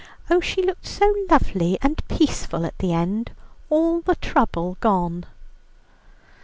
Oh, she looked so lovely and peaceful at the end, all the trouble gone."